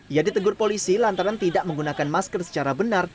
ia ditegur polisi lantaran tidak menggunakan masker secara benar